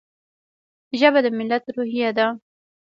ژبه د ملت روحیه ده.